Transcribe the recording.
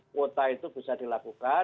kuota itu bisa dilakukan